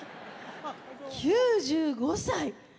９５歳。